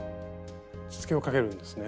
しつけをかけるんですね。